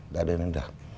đã đưa lên đảng